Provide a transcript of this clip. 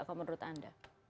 kalau menurut anda